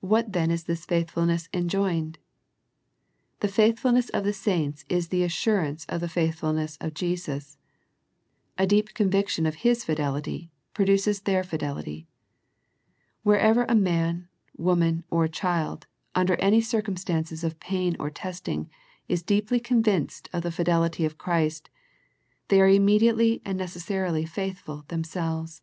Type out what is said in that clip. What then is this faithfulness enjoined? The faith fulness of the saints is the assurance of the faithfulness of Jesus. A deep conviction of His fidelity produces their fidelity. Wherever a man, woman, or child under any circum stances of pain or testing is deeply convinced of the fidelity of Christ, they are immediately and necessarily faithful themselves.